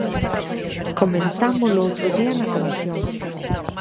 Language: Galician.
Comentámolo o outro día na comisión.